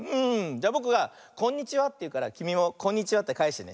じゃあぼくが「こんにちは」っていうからきみも「こんにちは」ってかえしてね。